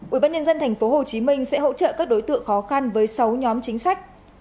ubnd tp hcm sẽ hỗ trợ các đối tượng khó khăn với sáu nhóm chính sách